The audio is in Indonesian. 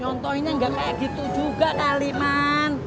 contohnya nggak kayak gitu juga kaliman